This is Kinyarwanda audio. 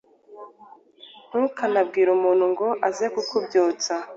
Ntukanabwire umuntu ngo aze kukubyutsa